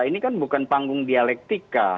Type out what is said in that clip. ini kan bukan panggung dialektika